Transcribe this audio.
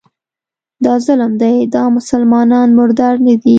دا ظلم دی، دا مسلمانان مردار نه دي